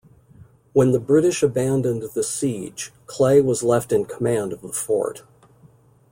When the British abandoned the siege, Clay was left in command of the fort.